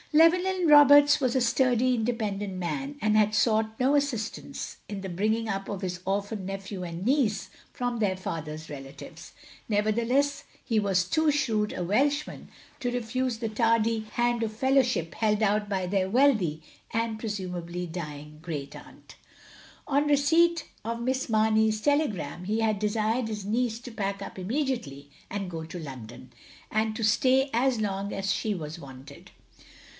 Llewelljm Roberts was a sturdy, independent man, and had sought no assistance in the bringing up of his orphan nephew and niece, from their OF GROSVENOR SQUARE 41 father's relatives. Nevertheless he was too shrewd a Welshman to refuse the tardy hand of fellowship held out by their wealthy and, presumably, dying great aunt. On receipt of Miss Mamey's telegram he had desired his neice to pack up inmiediately and go to London, and to stay as long as she was wanted.